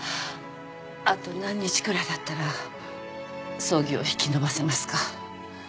あと何日くらいだったら葬儀を引き延ばせますか？